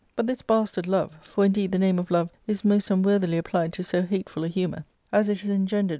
But this bastard love — for, indeed, the name of love is most uiiv worthily applied to so hateful a humour — as it is engendered